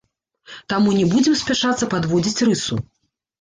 Таму не будзем спяшацца падводзіць рысу.